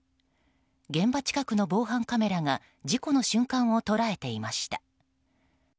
現場近くの防犯カメラが事故の瞬間を捉えていました。